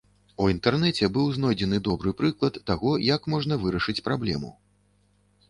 У інтэрнэце быў знойдзены добры прыклад таго, як можна вырашыць праблему.